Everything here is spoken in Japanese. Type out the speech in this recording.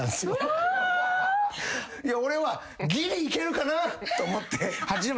俺はギリいけるかなと思って。